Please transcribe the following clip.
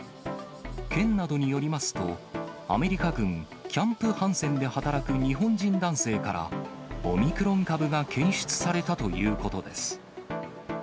県などによりますと、アメリカ軍キャンプ・ハンセンで働く日本人男性から、オミクロン株が検出されたということです。